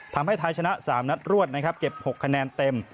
ทำให้ไทยชนะ๓นัดรวดนะครับเก็บ๖คะแนนเต็ม